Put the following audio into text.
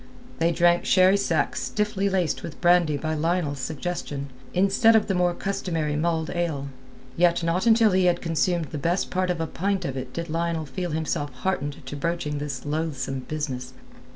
They drank sherry sack stiffly laced with brandy by Lionel's suggestion, instead of the more customary mulled ale. Yet not until he had consumed the best part of a pint of it did Lionel feel himself heartened to broaching his loathsome business.